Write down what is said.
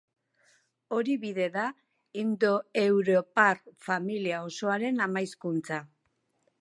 Hori bide da indoeuropar familia osoaren ama hizkuntza.